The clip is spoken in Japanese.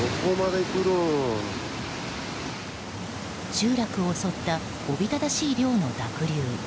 集落を襲ったおびただしい量の濁流。